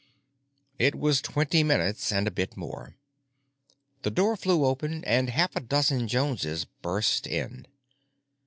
It was twenty minutes and a bit more. Then the door flew open and half a dozen Joneses burst in.